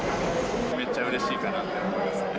めっちゃうれしいかなと思いますね。